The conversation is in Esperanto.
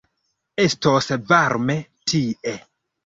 Estos varme tie.